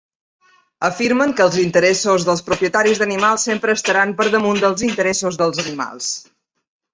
Afirmen que els interessos dels propietaris d'animals sempre estaran per damunt dels interessos dels animals.